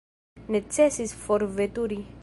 Necesis forveturi.